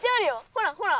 ほらほら。